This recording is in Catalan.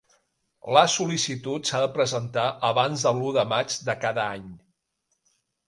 La sol·licitud s'ha de presentar abans de l'u de maig de cada any.